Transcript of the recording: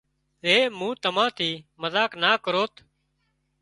زي مُون تمان ٿِي مزاق نا ڪروت